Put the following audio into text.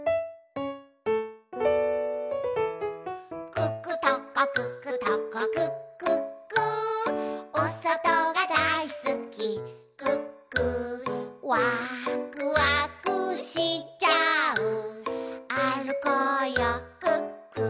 「クックトコクックトコクックックー」「おそとがだいすきクックー」「わくわくしちゃうあるこうよクックー」